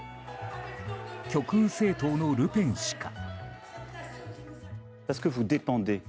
極右政党のルペン氏か。